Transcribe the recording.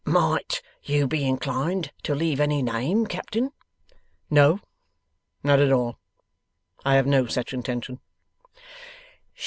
'Might you be inclined to leave any name, Captain?' 'No, not at all. I have no such intention.